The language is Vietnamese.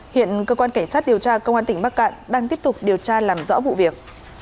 hiện cơ quan cảnh sát điều tra công an tỉnh bắc cạn đang tiếp tục điều tra làm rõ vụ việc